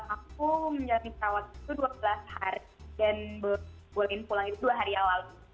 aku menjalani perawatan itu dua belas hari dan bolehin pulang itu dua hari awal